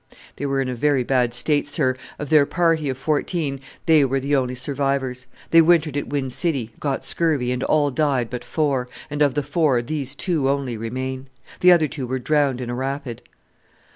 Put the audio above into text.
"They were in a very bad state, sir. Of their party of fourteen they were the only survivors. They wintered at Wind City, got scurvy, and all died but four, and of the four these two only remain. The other two were drowned in a rapid."